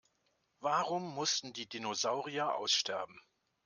Warum mussten die Dinosaurier aussterben?